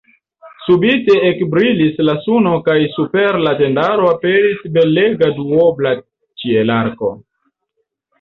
Subite ekbrilis la suno kaj super la tendaro aperis belega duobla ĉielarko.